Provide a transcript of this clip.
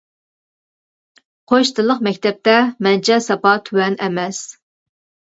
قوش تىللىق مەكتەپتە مەنچە ساپا تۆۋەن ئەمەس.